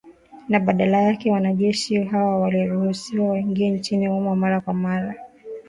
Na badala yake, wanajeshi hawa waliruhusiwa waingie nchini humo mara kwa mara